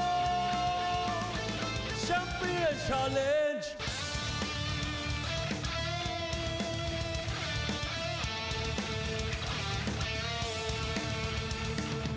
ตอนนี้มันถึงมวยกู้ที่๓ของรายการสุดยอดกีฬาการ